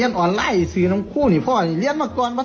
โกดโกดใหม่ทำเงียบไงนะคะ